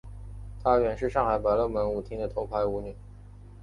她原是上海百乐门舞厅的头牌舞女。